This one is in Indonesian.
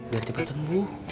biar cepet sembuh